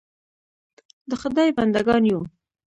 د خدای بنده ګان یو .